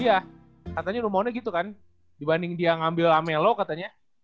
iya katanya rumornya gitu kan dibanding dia ngambil amelo katanya